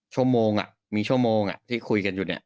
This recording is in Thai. ชั่วโมงมีชั่วโมงที่คุยกันอยู่เนี่ย